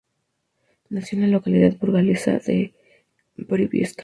Nació en la localidad burgalesa de Briviesca.